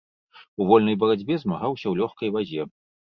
У вольнай барацьбе змагаўся ў лёгкай вазе.